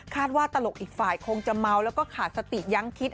ว่าตลกอีกฝ่ายคงจะเมาแล้วก็ขาดสติยังคิด